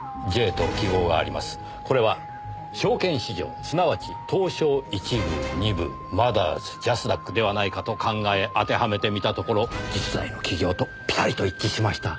これは証券市場すなわち東証一部二部マザーズＪＡＳＤＡＱではないかと考え当てはめてみたところ実在の企業とぴたりと一致しました。